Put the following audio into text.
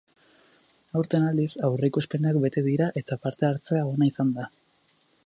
Aurten, aldiz, aurreikuspenak bete dira eta parte-hartzea ona izan da.